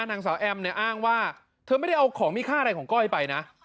นางสาวแอมเนี่ยอ้างว่าเธอไม่ได้เอาของมีค่าอะไรของก้อยไปนะ